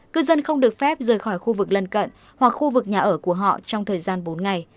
cư dân không được phép rời khỏi khu vực lân cận hoặc khu vực nhà ở của họ trong thời gian bốn ngày